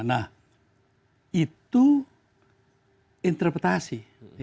nah itu interpretasi